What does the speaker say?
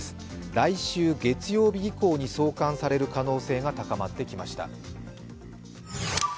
来週月曜日以降に送還される可能性が高まってきました。